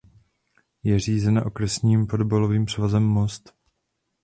Je řízena Okresním fotbalovým svazem Most.